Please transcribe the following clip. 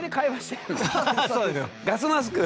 ガスマスク？